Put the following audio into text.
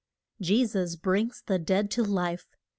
JESUS BRINGS THE DEAD TO LIFE.